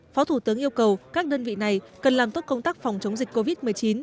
phó thủ tướng yêu cầu các đơn vị này cần làm tốt công tác phòng chống dịch covid một mươi chín